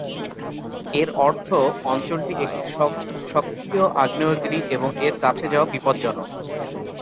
এর অর্থ অঞ্চলটি একটি সক্রিয় আগ্নেয়গিরি এবং এর কাছে যাওয়া বিপজ্জনক।